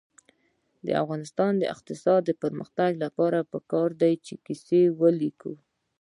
د افغانستان د اقتصادي پرمختګ لپاره پکار ده چې کیسې ولیکو.